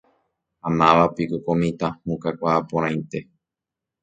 Ha mávapiko ko mitã hũ kakuaaporãite.